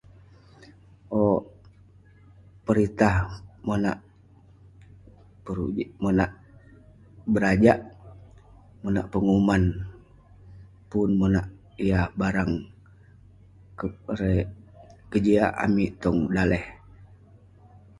Owk, peritah monak per- monak berajak, monak penguman. Pun monak yah barang, ke- erei kejiak amik tong daleh.